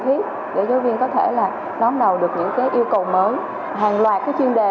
nên bồi dưỡng cho giáo viên rất nhiều về e learning bản tương tác